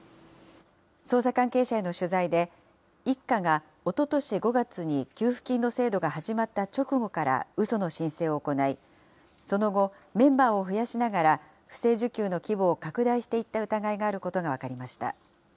捜査関係者への取材で、一家がおととし５月に給付金の制度が始まった直後からうその申請を行い、その後、メンバーを増やしながら不正受給の規模を拡大していった疑いがあることが分かりました。